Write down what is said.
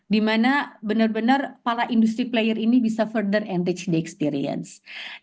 dimana benar benar para industri player ini bisa lebih lanjut dan mencapai pengalaman